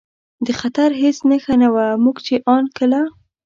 د خطر هېڅ نښه نه وه، موږ چې ان کله.